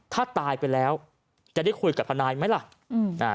ถ้าตายไปแล้วจะได้คุยกับฮมั้ยล่ะ